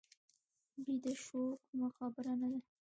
بیده شو، کومه خبره نه ده.